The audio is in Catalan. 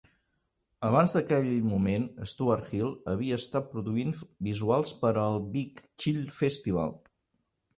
Abans d'aquell moment, Stuart Hill havia estat produint visuals per al Big Chill Festival.